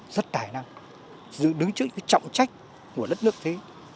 rất tài năng đứng trước trọng trách của đất nước thế